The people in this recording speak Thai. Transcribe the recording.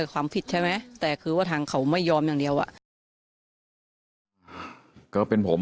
ก็เป็นผม